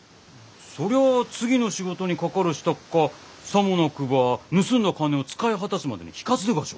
そりゃ次の仕事にかかる支度かさもなくば盗んだ金を使い果たすまでの日数でがしょ。